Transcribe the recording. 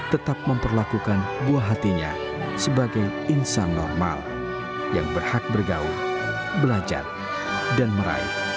tetap memperlakukan buah hatinya sebagai insan normal yang berhak bergaul belajar dan meraih